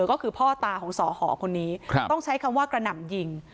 ก็คือพ่อตาของสอหอคนนี้ต้องใช้คำว่ากระหน่ำยิง